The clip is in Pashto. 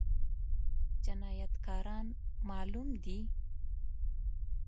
جنايتکاران معلوم دي؟